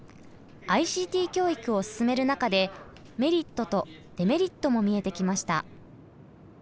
ＩＣＴ教育を進める中でメリットとデメリットも見えてきました。